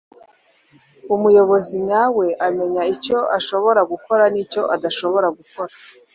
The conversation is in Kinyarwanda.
Umuyobozi nyawe amenya icyo ashobara gukora n’icyo adashobora gukora